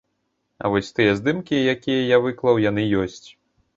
А вось тыя здымкі, якія я выклаў, яны ёсць.